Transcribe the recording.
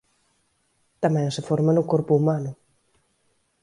Tamén se forma no corpo humano.